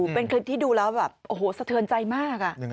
เป็นคลิปที่ดูแล้วแบบโอ้โหสะเทือนใจมาก